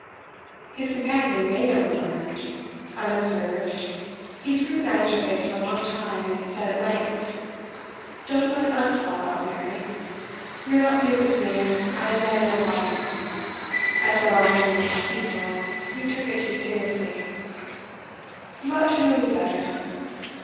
His companion made no remark. Unobserved, he scrutinised her face for a long time, and said at length: 'Don't let us fall out, Mary. You're not pleased with me, and I know why. I said all women were deceitful, and you took it too seriously. You ought to know me better.